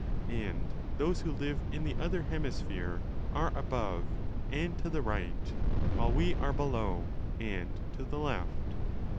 And those who live in the other hemisphere are above and to the right, while we are below and to the left.